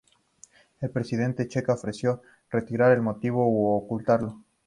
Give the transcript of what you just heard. La presidencia checa ofreció retirar el motivo u ocultarlo.